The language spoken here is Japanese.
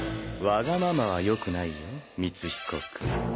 わがままはよくないよ光彦君。